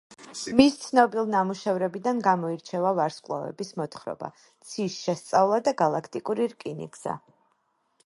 მის ცნობილ ნამუშევრებიდან გამოირჩევა „ვარსკვლავების მოთხრობა“, „ცის შესწავლა“ და „გალაქტიკური რკინიგზა“.